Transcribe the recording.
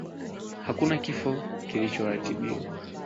Hakuna kifo kilichoratibiwa